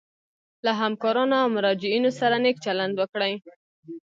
له همکارانو او مراجعینو سره نیک چلند وکړي.